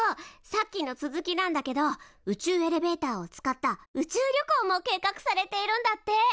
さっきの続きなんだけど宇宙エレベーターを使った宇宙旅行も計画されているんだって！